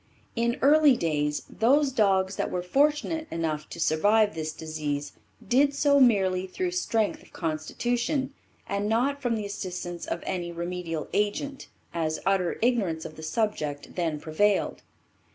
In early days, those dogs that were fortunate enough to survive this disease did so merely through strength of constitution and not from the assistance of any remedial agent, as utter ignorance of the subject then prevailed.